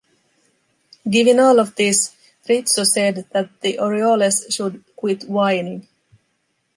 Given all of this, Rizzo said that the Orioles should quit whining.